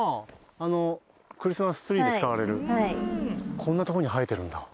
こんなとこに生えてるんだ。